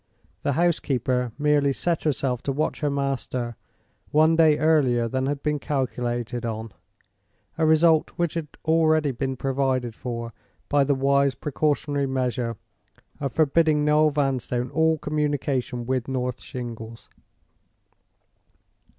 The housekeeper merely set herself to watch her master one day earlier than had been calculated on—a result which had been already provided for by the wise precautionary measure of forbidding Noel Vanstone all communication with North Shingles.